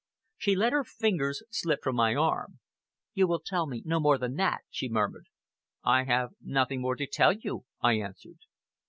She let her fingers slip from my arm. "You will tell me no more than that," she murmured. "I have nothing more to tell you," I answered.